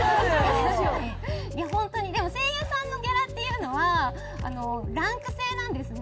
ホントにでも声優さんのギャラっていうのはランク制なんですね。